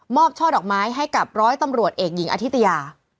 ช่อดอกไม้ให้กับร้อยตำรวจเอกหญิงอธิตยา